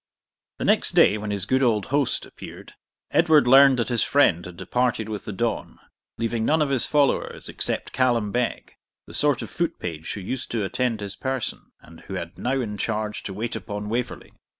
The next day, when his good old host appeared, Edward learned that his friend had departed with the dawn, leaving none of his followers except Callum Beg, the sort of foot page who used to attend his person, and who had now in charge to wait upon Waverley.